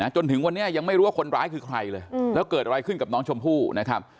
จนถึงวันนี้ยังไม่รู้ว่าคนร้ายคือใครเลยแล้วเกิดอะไรขึ้นกับน้องชมพู่นะครับ